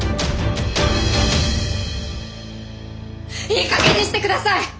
いいかげんにしてください！